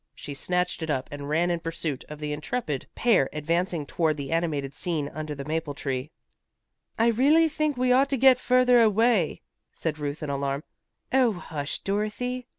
She snatched it up and ran in pursuit of the intrepid pair advancing toward the animated scene under the maple tree. "I really think we ought to get further away," said Ruth in alarm. "Oh, hush, Dorothy!"